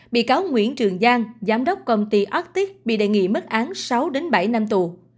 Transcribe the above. bị cáo nguyễn trường giang giám đốc công ty ortic bị đề nghị mức án sáu bảy năm tù